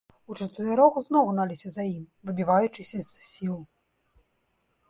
Учатырох зноў гналіся за ім, выбіваючыся з сіл.